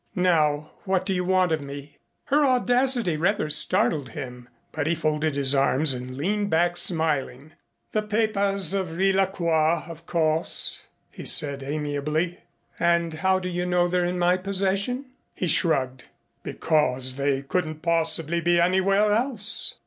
Now what do you want of me?" Her audacity rather startled him, but he folded his arms and leaned back smiling. "The papers of Riz la Croix, of course," he said amiably. "And how do you know they're in my possession?" He shrugged. "Because they couldn't possibly be anywhere else."